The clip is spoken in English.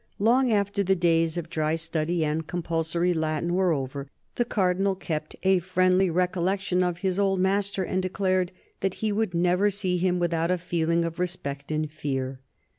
Long after the days of dry study and compulsory Latin were over, the Cardinal kept a friendly recollection of his old master, and declared that he could never see him without " a feeling of respect and fear."